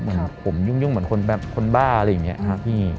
เหมือนผมยุ่งเหมือนคนแบบคนบ้าอะไรอย่างนี้ครับพี่